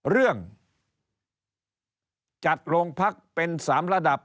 เรื่องจัดโรงพักเป็น๓ระดับ